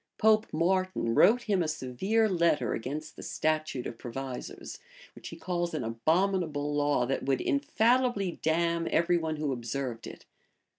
Pope Martin wrote him a severe letter against the statute of provisors; which he calls an abominable law, that would infallibly damn every one who observed it.